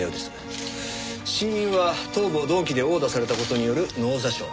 死因は頭部を鈍器で殴打された事による脳挫傷。